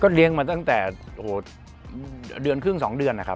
เลี้ยงมาตั้งแต่เดือนครึ่ง๒เดือนนะครับ